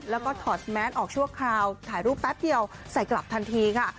แล้วก็ถอดแมสออกชั่วคราวถ่ายรูปแป๊บเดียวใส่กลับทันทีค่ะ